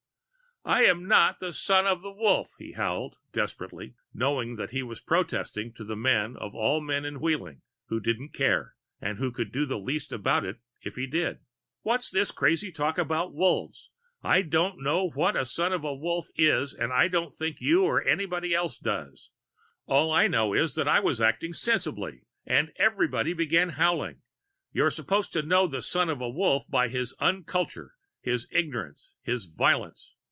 "I'm not a Son of the Wolf!" he howled, desperate, knowing he was protesting to the man of all men in Wheeling who didn't care, and who could do least about it if he did. "What's this crazy talk about Wolves? I don't know what a Son of the Wolf is and I don't think you or anybody does. All I know is that I was acting sensibly. And everybody began howling! You're supposed to know a Son of the Wolf by his unculture, his ignorance, his violence.